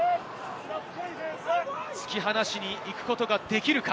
突き放しに行くことができるか？